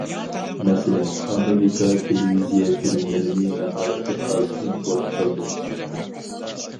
مەسىلەن، ئامېرىكا تېلېۋىزىيە فىلىملىرىنى ناھايىتى ئاز ئىمپورت قىلدى.